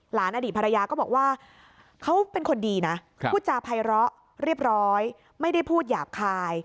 อดีตภรรยาก็บอกว่าเขาเป็นคนดีนะพูดจาภัยร้อเรียบร้อยไม่ได้พูดหยาบคาย